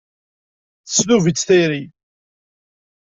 Tesdub-itt tayri.